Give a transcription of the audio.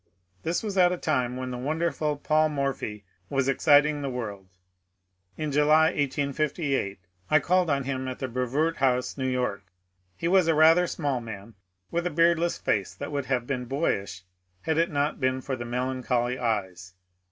This was at a time when the wonderful Paul Morphy was exciting the world. In July, 1858, 1 called on him at the Brevoort House, New York. He was a rather small man, with a beardless face that would have been boyish had it not been for the melancholy eyes.